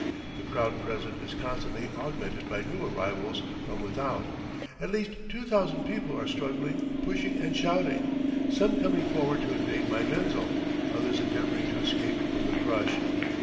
The crowd present is constantly augmented by new arrivals from without; at least two thousand people are struggling, pushing and shouting, some coming forward to invade my menzil, others endeavoring to escape from the crush.